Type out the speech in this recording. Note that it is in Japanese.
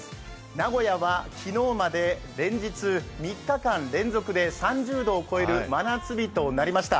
名古屋は昨日まで連日３日連続で３０度を超える真夏日となりました。